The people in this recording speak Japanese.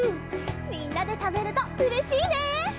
みんなでたべるとうれしいね！